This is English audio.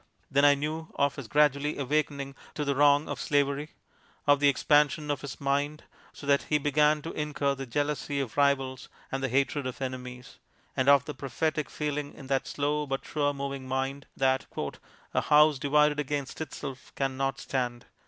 Then I knew of his gradually awakening to the wrong of slavery, of the expansion of his mind, so that he began to incur the jealousy of rivals and the hatred of enemies, and of the prophetic feeling in that slow but sure moving mind that "a house divided against itself can not stand.